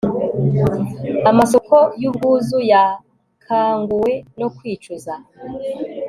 Amasoko yubwuzu yakanguwe no kwicuza